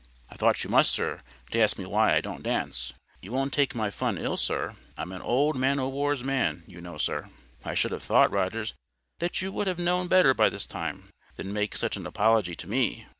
"I thought you must, sir, to ask me why I don't dance. You won't take my fun ill, sir? I'm an old man o' war's man, you know, sir." "I should have thought, Rogers, that you would have known better by this time, than make such an apology to ME."